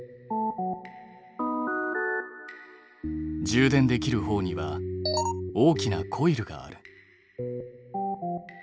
充電できるほうには大きなコイルがある。